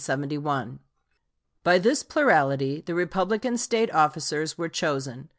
By this plurality the Republican State officers were chosen.